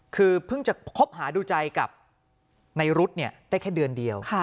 คือเพิ่งจะคบหาดูใจกับในรุ๊ดได้แค่เดือนเดียว